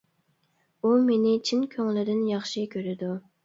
ئۇ مېنى چىن كۆڭلىدىن ياخشى كۆرىدۇ!